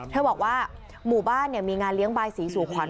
บอกว่าหมู่บ้านมีงานเลี้ยงบายสีสู่ขวัญ